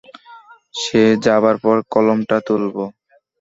সে যাবার পর কলমটা তুলব।